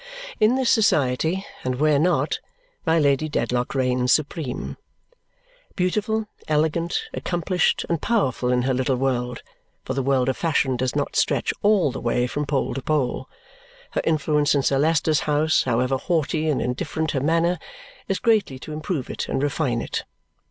In this society, and where not, my Lady Dedlock reigns supreme. Beautiful, elegant, accomplished, and powerful in her little world (for the world of fashion does not stretch ALL the way from pole to pole), her influence in Sir Leicester's house, however haughty and indifferent her manner, is greatly to improve it and refine it.